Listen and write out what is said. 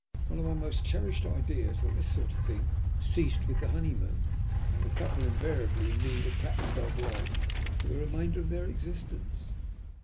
One of my most cherished ideas was that this sort of thing ceased with the honeymoon, and that the couple invariably lead a cat and dog life for the remainder of their existence."